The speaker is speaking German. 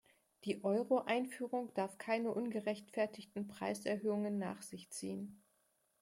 Die Euro-Einführung darf keine ungerechtfertigten Preiserhöhungen nach sich ziehen.